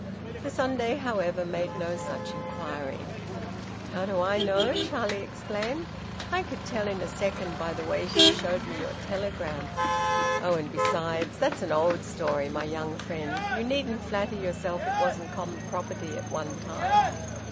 The Sunday, however, made no such inquiry. "How do I know!" Charlie exclaimed. "I could tell in a second by the way she showed me your telegram. Oh! And besides, that's an old story, my young friend. You needn't flatter yourself it wasn't common property at one time."